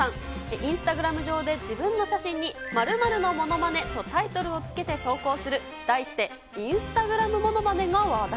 インスタグラム上で自分の写真に○○のものまねとタイトルを付けて投稿する、題して、インスタグラムモノマネが話題。